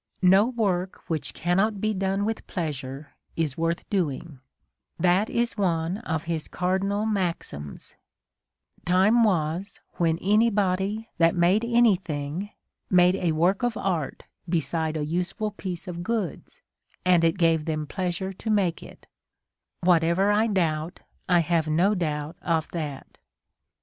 No work which cannot be done with pleasure is worth doing :" that is one of his cardinal maxims : Time was when any body that made anything, made a work of art beside a useful piece of goods, and it gave them pleasure to make it: whatever I doubt, I have no doubt of that."